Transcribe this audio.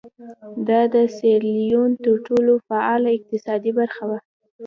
دا د سیریلیون تر ټولو فعاله اقتصادي برخه وه.